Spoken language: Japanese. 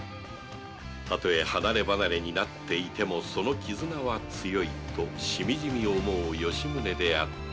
たとえ離ればなれになっていてもその絆は強いとしみじみ思う吉宗であった